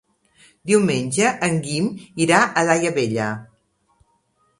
Diumenge en Guim irà a Daia Vella.